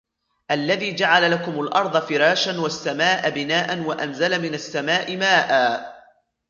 الَّذِي جَعَلَ لَكُمُ الْأَرْضَ فِرَاشًا وَالسَّمَاءَ بِنَاءً وَأَنْزَلَ مِنَ السَّمَاءِ مَاءً